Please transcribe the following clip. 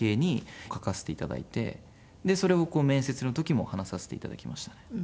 それを面接の時も話させていただきましたね。